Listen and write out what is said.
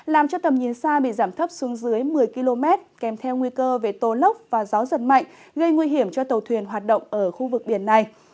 làm cho tầm nhìn xa bị giảm thấp xuống dưới một mươi km kèm theo nguy cơ về tố lốc và gió giật mạnh gây nguy hiểm cho tàu thuyền hoạt động ở khu vực biển này